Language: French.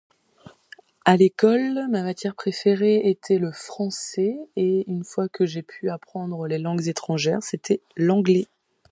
À l'école, ma matière préférée était le français et une fois que j'ai pu apprendre les langues étrangères, c'était l'anglais